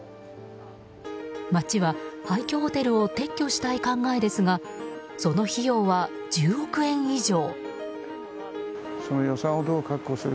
町は廃虚ホテルを撤去したい考えですがその費用は、１０億円以上。